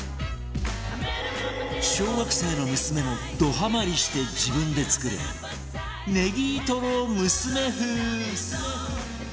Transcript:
小学生の娘もどハマりして自分で作るねぎとろむすめ風